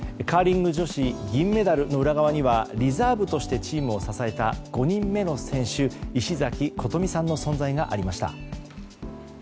カーリング女子銀メダルの裏側にはリザーブとしてチームを支えた５人目の選手石崎琴美さんの存在がありました。